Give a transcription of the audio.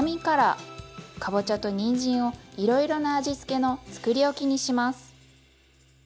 かぼちゃとにんじんをいろいろな味付けのつくりおきにします。